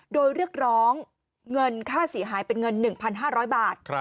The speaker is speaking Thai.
โดยเรียกร้องเงินค่าเสียหายเป็นเงิน๑๕๐๐บาท